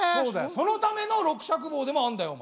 そのための六尺棒でもあんだよお前。